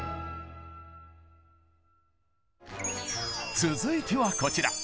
続いてはこちら！